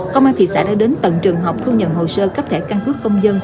công an thị xã đã đến tận trường học thu nhận hồ sơ cấp thẻ căn cước công dân